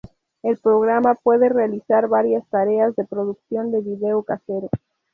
El programa puede realizar varias tareas de producción de vídeo casero.